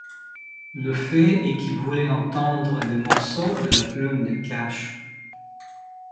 Le fait est qu'il voulait entendre des morceaux de la plume de Cash.